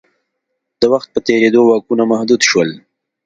د وخت په تېرېدو واکونه محدود شول.